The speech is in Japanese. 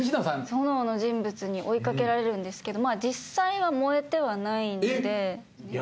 炎の人物に追い掛けられるんですけどまぁ実際は燃えてはないんで。